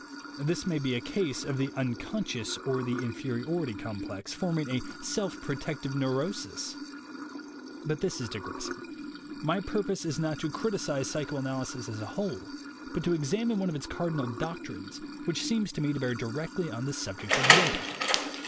This may be a case of the "unconscious" or the "inferi ority complex," forming a "self protective neuro sis!" But this is digressing. My purpose is not to criticize psychoanalysis as a whole, but to examine 92 THE WAY TO WILL POWER one of its cardinal doctrines which seems to me to bear directly on the subject of will power.